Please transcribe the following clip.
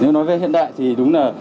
nếu nói về hiện đại thì đúng là